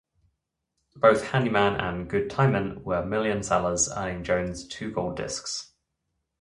Both "Handy Man" and "Good Timin'" were million sellers, earning Jones two gold discs.